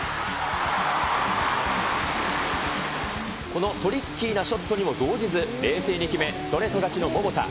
このトリッキーなショットにも動じず、冷静に決め、ストレート勝ちの桃田。